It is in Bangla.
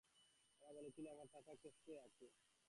ওরা বলেছিল আমার টাকা কেসে আছে।